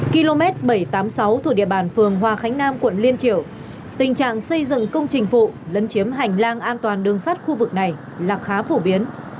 km bảy trăm tám mươi sáu thuộc địa bàn phường hòa khánh nam quận liên triều tình trạng xây dựng công trình phụ lấn chiếm hành lang an toàn đường sắt khu vực này là khá phổ biến